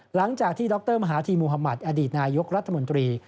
หลังจากที่ดรมหาธีมุธมัติอดีตนายกรัฐมนตรี